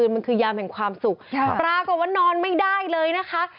มันคือยามแห่งความสุขปรากฏว่านอนไม่ได้เลยนะคะ